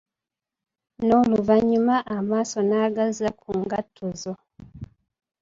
Noluvanyuma amaaso nagazza ku ngatto zo.